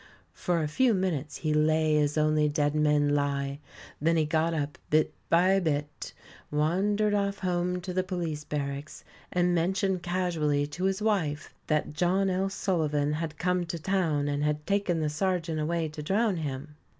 For a few minutes he "lay as only dead men lie". Then he got up bit by bit, wandered off home to the police barracks, and mentioned casually to his wife that John L. Sullivan had come to town, and had taken the sergeant away to drown him.